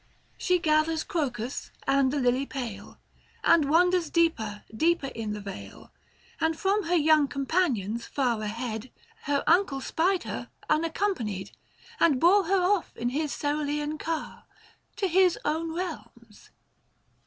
She gathers crocus and the lily pale, And wanders deeper, deeper in the vale, And from her young companions far ahead. 495 Her uncle spied her unaccompanied, And bore her off, in his cerulean car, To his own realms.